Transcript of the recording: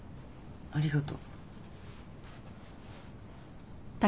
ありがと。